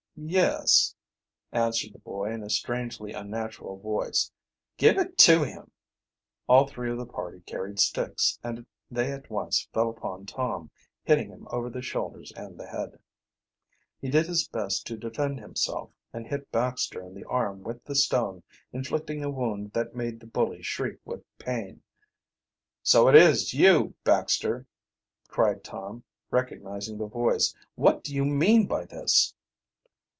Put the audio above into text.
"Yes," answered the boy, in a strangely unnatural voice. "Give it to him." All three of the party carried sticks, and they at once fell upon Tom, hitting him over the shoulders and the head. He did his best to defend himself, and hit Baxter in the arm with the stone, inflicting a wound that made the bully shriek with pain. "So it is you, Baxter!" cried Tom, recognizing the voice. "What do you mean by this?"